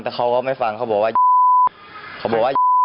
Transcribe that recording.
แต่เขาก็ไม่ฟังเขาบอกว่าเขาบอกว่า